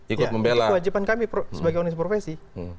ini kewajiban kami sebagai organisasi profesi